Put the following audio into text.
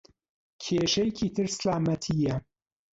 کێشەیەکی تر سەلامەتییە.